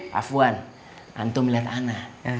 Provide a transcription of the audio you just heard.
pak fuan antum liat ana